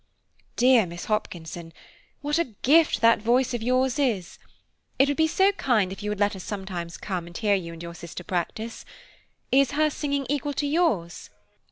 "Dear Miss Hopkinson, what a gift that voice of yours is; it would be so kind if you would let us come sometimes and hear you and your sister practise. Is her singing equal to yours?"